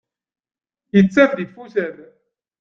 Ittaf d tifucal.